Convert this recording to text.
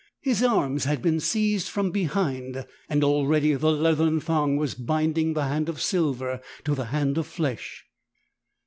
His arms had been seized from behind and already the leathern thong was binding the hand of silver to the hand of flesh.